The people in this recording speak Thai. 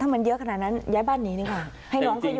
มันเยอะขนาดนั้นย้ายบ้านนี้ดีกว่าให้น้องเขาอยู่